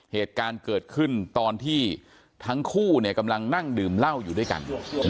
เหตุการณ์เกิดขึ้นตอนที่ทั้งคู่กำลังนั่งดื่มเหล้าอยู่ด้วยกัน